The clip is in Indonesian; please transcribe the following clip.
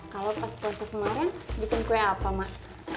kalau pas puasa kemarin bikin kue apa mak